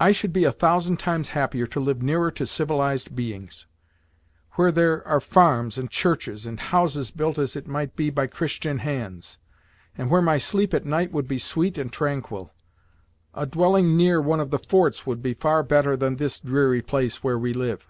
"I should be a thousand times happier to live nearer to civilized beings where there are farms and churches, and houses built as it might be by Christian hands; and where my sleep at night would be sweet and tranquil! A dwelling near one of the forts would be far better than this dreary place where we live!"